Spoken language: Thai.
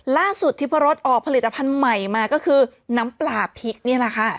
ทิพรสออกผลิตภัณฑ์ใหม่มาก็คือน้ำปลาพริกนี่แหละค่ะ